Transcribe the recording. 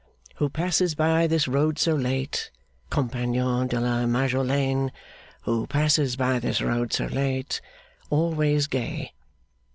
'Who passes by this road so late? Compagnon de la Majolaine; Who passes by this road so late? Always gay!